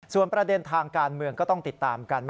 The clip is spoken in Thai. ส่วนประเด็นทางการเมืองก็ต้องติดตามกัน